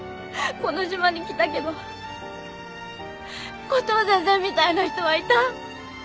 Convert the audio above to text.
この島に来たけどコトー先生みたいな人はいた？